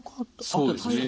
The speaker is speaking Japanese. そうですね。